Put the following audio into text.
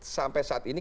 sampai saat ini